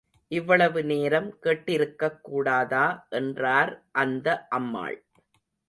இவ்வளவு நேரம் கேட்டிருக்கக்கூடாதா என்றார் அந்த அம்மாள்.